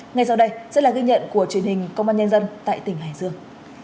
ngay sau đây sẽ là ghi nhận của truyền hình công an nhân dân tại tỉnh hải dương